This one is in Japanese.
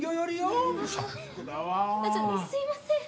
すいません。